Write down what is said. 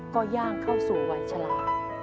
ก็ย่างเข้าสู่วัยฉลาด